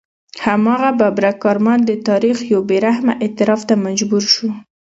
هماغه ببرک کارمل د تاریخ یو بې رحمه اعتراف ته مجبور شو.